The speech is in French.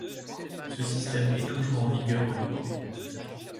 Ce système est toujours en vigueur au Liban.